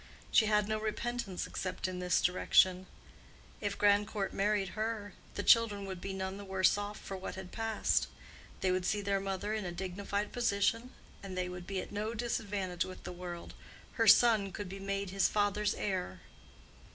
She had no repentance except in this direction. If Grandcourt married her, the children would be none the worse off for what had passed: they would see their mother in a dignified position, and they would be at no disadvantage with the world: her son could be made his father's heir.